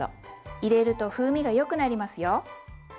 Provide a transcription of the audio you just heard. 入れると風味がよくなりますよ。